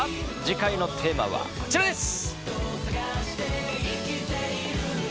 次回のテーマはこちらです。